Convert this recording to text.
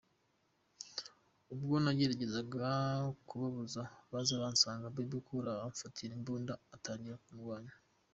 Ubwo nageragezaga kubabuza baza bansanga Bebe cool amfatira imbunda atangira kundwanya.